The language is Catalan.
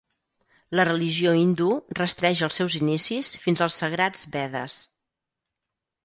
La religió hindú rastreja els seus inicis fins als sagrats Vedes.